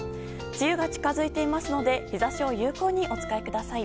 梅雨が近づいていますので日差しを有効にお使いください。